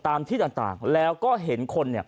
ตามที่ต่างแล้วก็เห็นคน